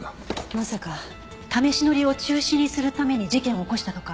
まさか試し乗りを中止にするために事件を起こしたとか。